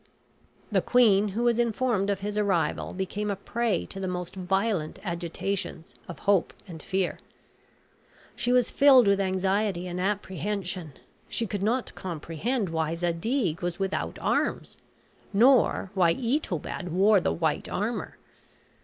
The queen, who was informed of his arrival, became a prey to the most violent agitations of hope and fear. She was filled with anxiety and apprehension. She could not comprehend why Zadig was without arms, nor why Itobad wore the white armor.